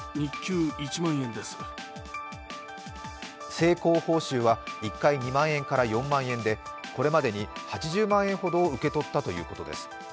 成功報酬は１回２万円から４万円で、これまでに８０万円ほどを受け取ったということです。